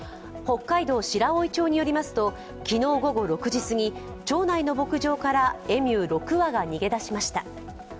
北海道白老町によりますと、昨日午後６時すぎ、町内の牧場からエミュー６羽が逃げ出しました。